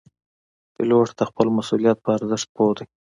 پیلوټ د خپل مسؤلیت په ارزښت پوه دی.